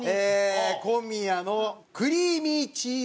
小宮のクリーミーチーズ